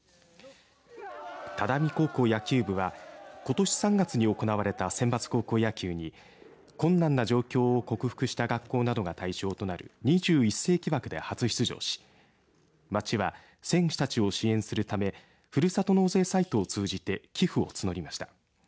只見高校野球部はことし３月に行われたセンバツ高校野球に困難な状況を克服した学校などが対象となる２１世紀枠で初出場し町は選手たちを支援するためふるさと納税サイトを通じて寄付を募りました。